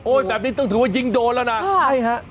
โอ้ยแบบนี้ถึงว่ายิงโดนแล้วนะ